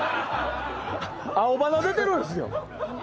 青ばな出てるんですよ。